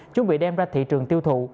chuẩn bị đem ra thị trường tiêu thụ